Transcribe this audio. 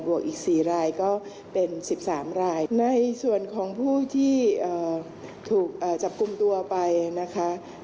บวกอีกสี่รายก็เป็นสิบสามรายในส่วนของผู้ที่เอ่อถูกเอ่อจับกลุ่มตัวไปนะคะ